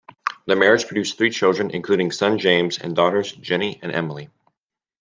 Their marriage produced three children including son James, and daughters Jennie and Emily.